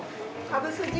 「かぶす汁」